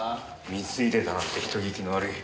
貢いでたなんて人聞きの悪い。